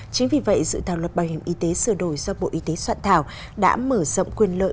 chính vì vậy dự thảo luật bảo hiểm y tế sửa đổi do bộ y tế soạn thảo đã mở rộng quyền lợi